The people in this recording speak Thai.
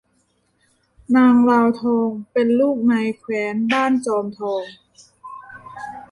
นางลาวทองเป็นลูกนายแคว้นบ้านจอมทอง